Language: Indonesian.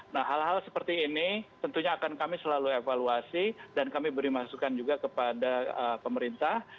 nah hal hal seperti ini tentunya akan kami selalu evaluasi dan kami beri masukan juga kepada pemerintah